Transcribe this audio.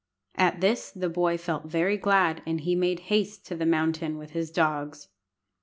At this the boy felt very glad, and he made haste to the mountain with his dogs.